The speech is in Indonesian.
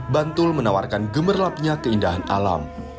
bantul menawarkan gemerlapnya keindahan alam